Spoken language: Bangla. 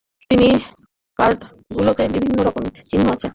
এই কার্ডগুলোতে বিভিন্ন রকম চিহ্ন আছে।